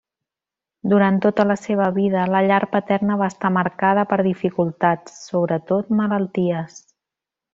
Durant tota la seva vida, la llar paterna va estar marcada per dificultats, sobretot malalties.